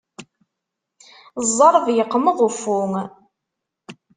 Ẓẓerb yeqmeḍ uffu.